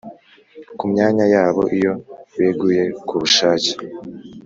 ku myanya yabo iyo beguye ku bushake